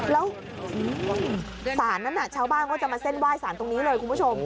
แล้วศาลนั้นชาวบ้านก็จะมาเส้นไหว้สารตรงนี้เลยคุณผู้ชม